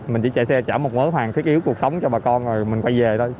mình chỉ chạy xe chở một món hàng thiết yếu cuộc sống cho bà con rồi mình quay về thôi